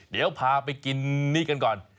เดี๋ยวพาไปกินนี่กันก่อน